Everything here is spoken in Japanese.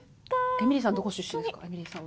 エミリーさんどこ出身ですか？